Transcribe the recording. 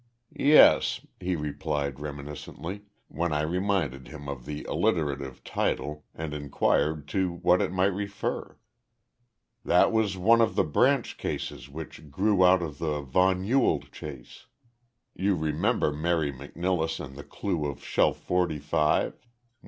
"Yes," he replied, reminiscently, when I reminded him of the alliterative title and inquired to what it might refer, "that was one of the branch cases which grew out of the von Ewald chase you remember Mary McNilless and the clue of Shelf Forty five?